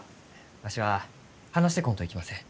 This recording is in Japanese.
わしは話してこんといきません。